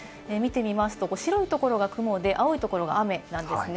見てみますと、白いところが雲で、青いところが雨なんですね。